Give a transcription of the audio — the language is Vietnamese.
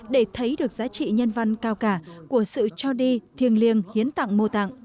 để thấy được giá trị nhân văn cao cả của sự cho đi thiêng liêng hiến tạng mô tạng